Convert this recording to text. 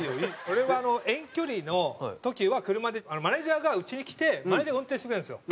俺は遠距離の時は車でマネージャーがうちに来てマネージャーが運転してくれるんですよ。